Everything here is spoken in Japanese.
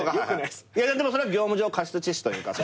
でもそれは業務上過失致死というか。